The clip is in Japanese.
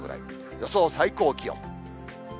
予想最高気温。